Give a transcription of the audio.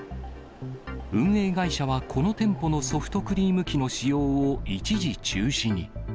運営会社はこの店舗のソフトクリーム機の使用を一時中止に。